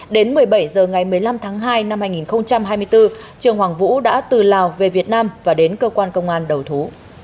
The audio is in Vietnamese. đến một mươi bảy h ngày một mươi năm tháng hai năm hai nghìn hai mươi bốn trường hoàng vũ đã từ lào về việt nam và đến cơ quan công an đầu thú